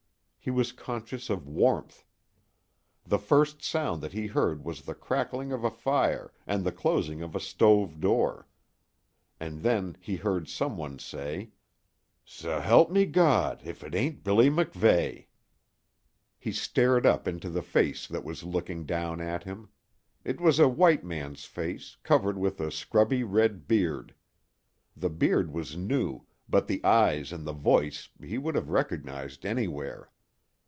He was conscious of warmth. The first sound that he heard was the crackling of a fire and the closing of a stove door. And then he heard some one say: "S'help me God, if it ain't Billy MacVeigh!" He stared up into the face that was looking down at him. It was a white man's face, covered with a scrubby red beard. The beard was new, but the eyes and the voice he would have recognized anywhere.